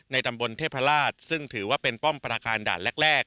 ตำบลเทพราชซึ่งถือว่าเป็นป้อมประธานด่านแรก